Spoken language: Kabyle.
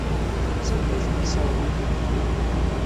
Sanda ay ten-tessawḍemt?